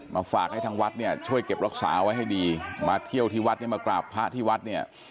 ฝากให้ทางวัดเนี่ยช่วยเก็บรักษาไว้ให้ดีมาเที่ยวที่วัดให้มากราบพระที่วัดเนี่ย